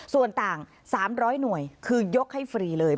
ส่วนต่าง๓๐๐หน่วยคือยกให้ฟรีเลย